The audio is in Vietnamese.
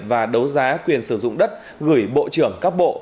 và đấu giá quyền sử dụng đất gửi bộ trưởng các bộ